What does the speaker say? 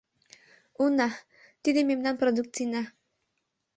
Уна тиде — мемнан продукцийна.